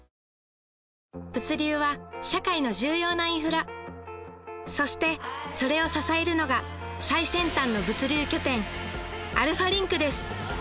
物流は社会の重要なインフラそしてそれを支えるのが最先端の物流拠点アルファリンクです